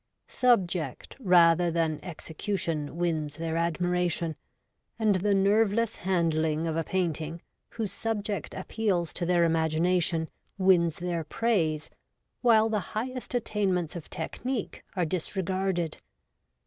Subject rather than execu tion wins their admiration, and the nerveless handling of a painting whose subject appeals to their imagination wins their praise while the highest attainments of technique are disregarded.